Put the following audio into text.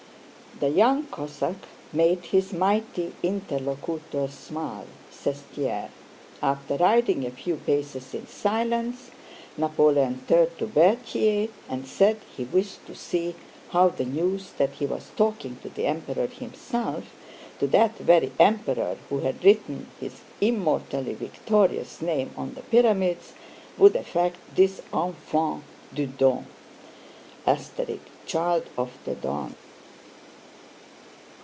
"The young Cossack made his mighty interlocutor smile," says Thiers. After riding a few paces in silence, Napoleon turned to Berthier and said he wished to see how the news that he was talking to the Emperor himself, to that very Emperor who had written his immortally victorious name on the Pyramids, would affect this enfant du Don. "Child of the Don."